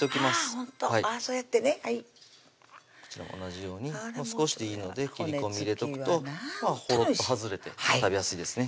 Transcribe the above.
ほんとそうやってねこちらも同じように少しでいいので切り込み入れとくとほろっと外れて食べやすいですね